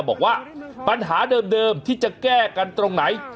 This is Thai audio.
บอกว่าปัญหาเดิมที่จะแก้กันตรงไหน